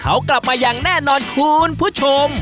เขากลับมาอย่างแน่นอนคุณผู้ชม